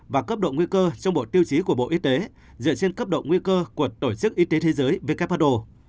và cấp độ nguy cơ trong bộ tiêu chí của bộ y tế dựa trên cấp độ nguy cơ của tổ chức y tế thế giới who